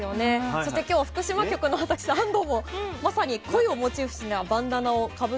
そして今日は福島局の私安藤もまさにコイをモチーフにしたバンダナをかぶって。